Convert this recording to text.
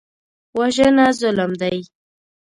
وژنه ظلم دی